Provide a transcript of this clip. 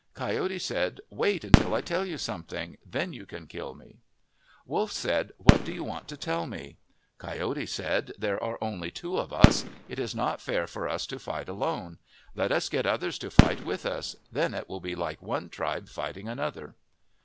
Coyote said, " Wait until I tell you something. Then you can kill me." 121 MYTHS AND LEGENDS Wolf said, " What do you want to tell me ?" Coyote said, " There are only two of us. It is not fair for us to fight alone. Let us get others to fight with us. Then it will be like one tribe fighting another."